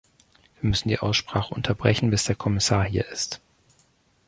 Wir müssen die Aussprache unterbrechen, bis der Kommissar hier ist.